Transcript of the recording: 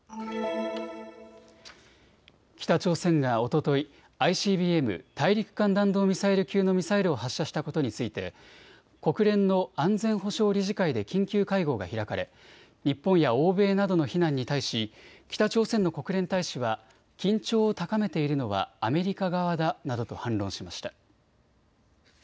北朝鮮がおとといＩＣＢＭ・大陸間弾道ミサイル級のミサイルを発射したことについて国連の安全保障理事会で緊急会合が開かれ日本や欧米などの非難に対し北朝鮮の国連大使は緊張を高めているのはアメリカ側だなどと反論しました。